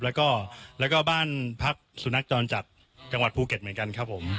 แล้วก็บ้านพักสุนัขจรจัดจังหวัดภูเก็ตเหมือนกันครับผม